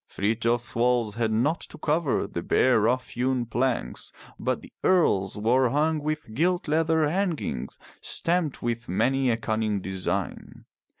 Frithjof's walls had naught to cover the bare rough hewn planks, but the Earl's were hung with gilt leather hangings stamped with many a cunning design.